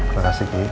terima kasih ki